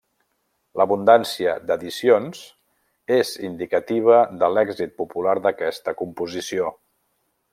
L'abundància d'edicions és indicativa de l'èxit popular d'aquesta composició.